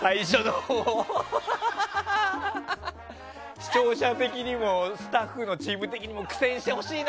視聴者的にもスタッフのチーム的にも苦戦してほしいな。